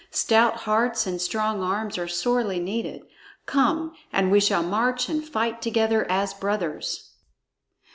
Stout hearts and strong arms are sorely needed. Come, and we shall march and fight together as brothers."